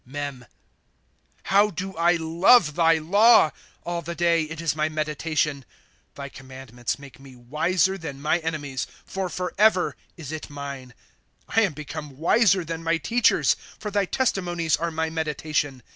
Mem. 8T How do I love thy law ! All the day it is my meditation. 98 Thy commandments make me wiser than my enemiei For forever is it mine. 99 I am become wiser than my teachers ; For thy testimonies are my meditation.